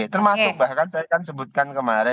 termasuk bahkan saya kan sebutkan kemarin